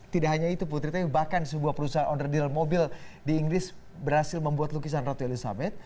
tidak hanya itu putri tapi bahkan sebuah perusahaan onderdeal mobil di inggris berhasil membuat lukisan ratu elizabeth